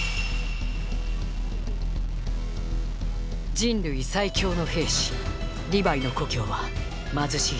人類最強の兵士リヴァイの故郷は貧しい地下都市。